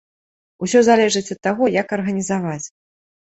Усё залежыць ад таго як арганізаваць.